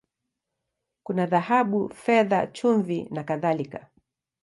Kuna dhahabu, fedha, chumvi, na kadhalika.